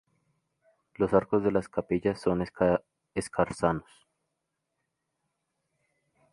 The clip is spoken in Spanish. Los arcos de las capillas son escarzanos.